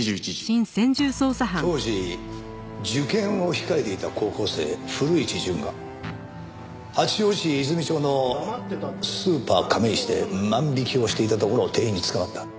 当時受験を控えていた高校生古市潤が八王子市泉町のスーパー亀石で万引きをしていたところを店員に捕まった。